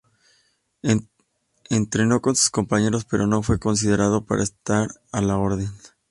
Entrenó con sus compañeros pero no fue considerado para estar a la orden.